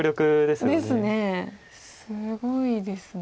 すごいですね。